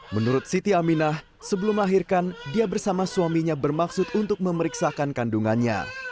menurut siti aminah sebelum melahirkan dia bersama suaminya bermaksud untuk memeriksakan kandungannya